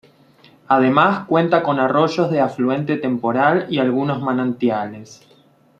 Además cuenta con arroyos de afluente temporal y algunos manantiales.